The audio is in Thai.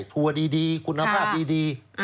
ธัวร์ดีคุณภาพดี